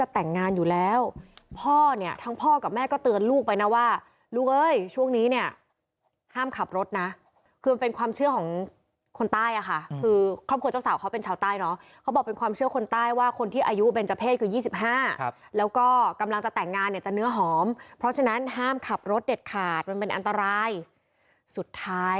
แต่งงานอยู่แล้วพ่อเนี่ยทั้งพ่อกับแม่ก็เตือนลูกไปนะว่าลูกเอ้ยช่วงนี้เนี่ยห้ามขับรถนะคือมันเป็นความเชื่อของคนใต้อ่ะค่ะคือครอบครัวเจ้าสาวเขาเป็นชาวใต้เนอะเขาบอกเป็นความเชื่อคนใต้ว่าคนที่อายุเป็นเจ้าเพศคือ๒๕แล้วก็กำลังจะแต่งงานเนี่ยจะเนื้อหอมเพราะฉะนั้นห้ามขับรถเด็ดขาดมันเป็นอันตรายสุดท้าย